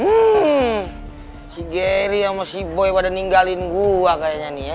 hmm si geri sama si boy pada ninggalin gua kayaknya nih ya